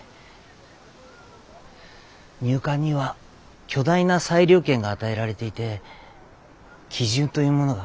入管には巨大な裁量権が与えられていて基準というものがほとんどない。